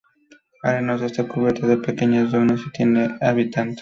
Arenoso, está cubierta de pequeñas dunas, y no tiene habitantes.